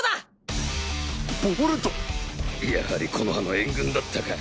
やはり木ノ葉の援軍だったか。